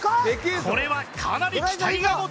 これはかなり期待が持てるぞ！